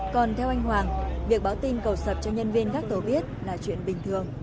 còn theo anh hoàng việc báo tin cầu sập cho nhân viên gác tổ biết là chuyện bình thường